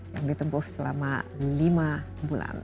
yang ditempuh selama lima bulan